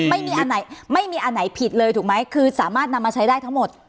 ไม่มีอันไหนไม่มีอันไหนผิดเลยถูกไหมคือสามารถนำมาใช้ได้ทั้งหมด